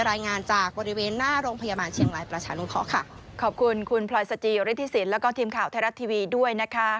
รายงานจากบริเวณหน้าโรงพยาบาลเชียงรายประชานุเคราะห์ค่ะขอบคุณคุณพลอยสจิฤทธิสินแล้วก็ทีมข่าวไทยรัฐทีวีด้วยนะคะ